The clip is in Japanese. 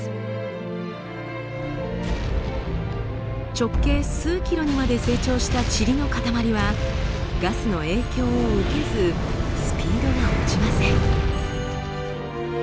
直径数ｋｍにまで成長したチリのかたまりはガスの影響を受けずスピードが落ちません。